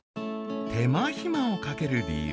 手間暇をかける理由